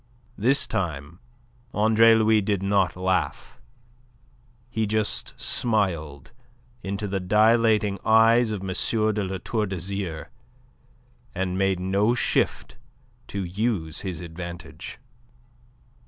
This time Andre Louis did not laugh: He just smiled into the dilating eyes of M. de La Tour d'Azyr, and made no shift to use his advantage.